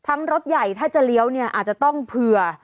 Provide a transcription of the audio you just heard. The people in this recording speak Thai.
รถใหญ่ถ้าจะเลี้ยวเนี่ยอาจจะต้องเผื่อ